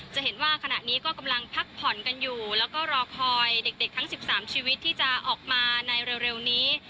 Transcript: จะเห็นว่าขณะนี้ก็กำลังพักผ่อนกันอยู่แล้วก็รอคอยเด็กทั้ง๑๓ชีวิตที่จะออกมาในเร็วนี้